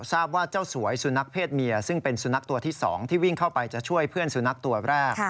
ทราบว่าเจ้าสวยสุนัขเพศเมียซึ่งเป็นสุนัขตัวที่๒ที่วิ่งเข้าไปจะช่วยเพื่อนสุนัขตัวแรก